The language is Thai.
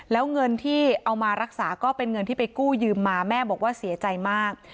แล้วเงินที่เอามารักษาก็เป็นเงินที่ไปกู้ยืมมาแม่บอกว่าเสียใจมาก